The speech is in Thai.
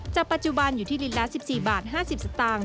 ปัจจุบันอยู่ที่ลิตรละ๑๔บาท๕๐สตางค์